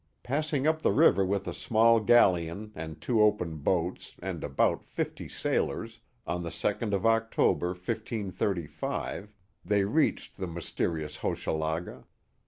Passing up the river with a small galleon and two open boats and about fifty sailors, on the 2d of October, 1535, they reached the mysterious Hochelaga.